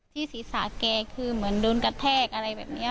ศีรษะแกคือเหมือนโดนกระแทกอะไรแบบนี้